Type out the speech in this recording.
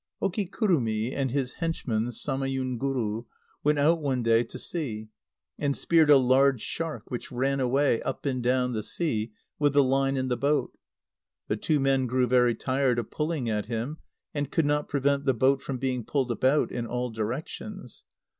_ Okikurumi and his henchman Samayunguru went out one day to sea, and speared a large shark, which ran away, up and down the sea, with the line and the boat. The two men grew very tired of pulling at him, and could not prevent the boat from being pulled about in all directions.